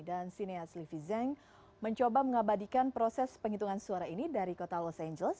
dan sineas livi zeng mencoba mengabadikan proses penghitungan suara ini dari kota los angeles